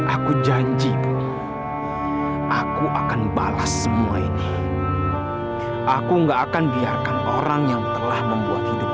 aku janji aku akan balas semua ini aku enggak akan biarkan orang yang telah membuat hidup